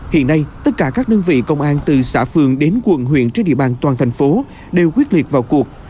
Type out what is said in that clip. hiện nay tất cả các đơn vị công an từ xã phường đến quận huyện trên địa bàn toàn thành phố đều quyết liệt vào cuộc